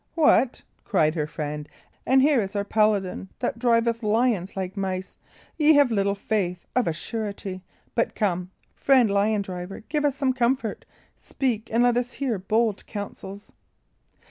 "What!" cried her friend. "And here is our paladin that driveth lions like mice! Ye have little faith, of a surety. But come, friend lion driver, give us some comfort; speak, and let us hear bold counsels."